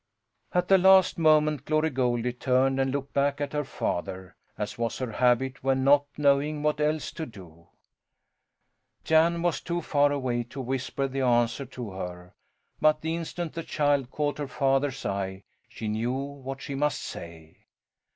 At the last moment Glory Goldie turned and looked back at her father, as was her habit when not knowing what else to do. Jan was too far away to whisper the answer to her; but the instant the child caught her father's eye she knew what she must say.